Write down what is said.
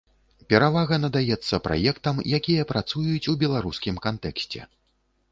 Перавага надаецца праектам, якія працуюць у беларускім кантэксце.